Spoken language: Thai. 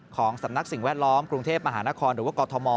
ของสำนักสิ่งแวดล้อมกรุงเทพมหานครหรือว่ากอทม